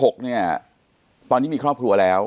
คุณ๓๖เนี่ยตอนนี้มีครอบครัวแล้ว